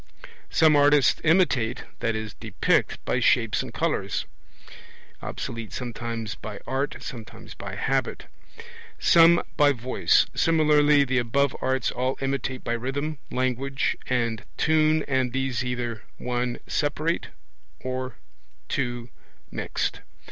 Some artists imitate (i.e. depict) by shapes and colours. (Obs. sometimes by art, sometimes by habit.) Some by voice. Similarly the above arts all imitate by rhythm, language, and tune, and these either (1) separate or (2) mixed.